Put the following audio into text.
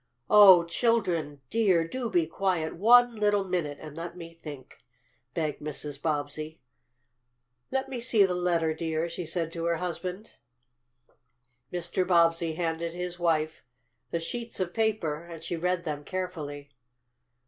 "Oh, children dear, do be quiet one little minute and let me think," begged Mrs. Bobbsey. "Let me see the letter, dear," she said to her husband. Mr. Bobbsey handed his wife the sheets of paper, and she read them carefully.